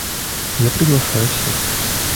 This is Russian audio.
Я приглашаю всех.